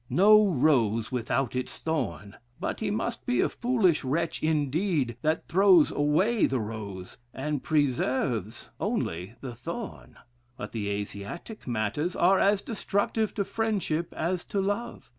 No rose without its thorn; but he must be a foolish wretch indeed, that throws away the rose and preserves only the thorn. But the Asiatic manners are as destructive to friendship as to love.